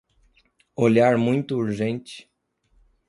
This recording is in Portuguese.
Olhar muito urgente